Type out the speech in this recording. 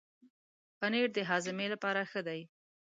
پنېر د هاضمې لپاره ښه دی.